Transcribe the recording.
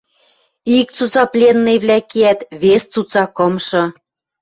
Ик цуца пленныйвлӓ кеӓт, вес цуца, кымшы...